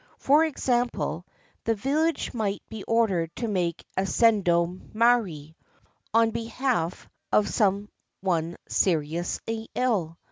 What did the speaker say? For example, the vil lage might be ordered to make a sendo mairi ^ on behalf of some one seriously ill.